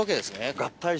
合体。